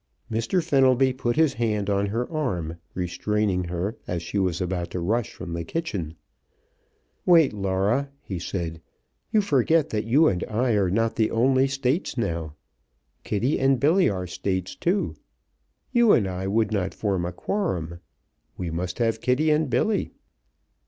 Mr. Fenelby put his hand on her arm, restraining her as she was about to rush from the kitchen. "Wait, Laura!" he said. "You forget that you and I are not the only States now. Kitty and Billy are States, too. You and I would not form a quorum. We must have Kitty and Billy."